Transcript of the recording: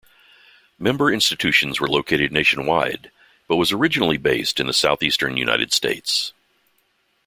Member institutions were located nationwide, but was originally based in the southeastern United States.